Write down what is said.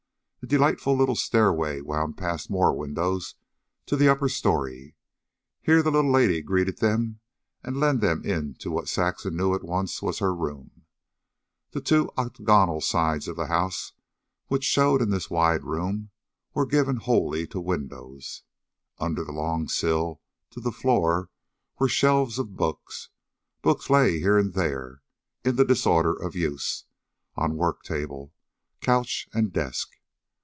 A delightful little stairway wound past more windows to the upper story. Here the little lady greeted them and led them into what Saxon knew at once was her room. The two octagonal sides of the house which showed in this wide room were given wholly to windows. Under the long sill, to the floor, were shelves of books. Books lay here and there, in the disorder of use, on work table, couch and desk.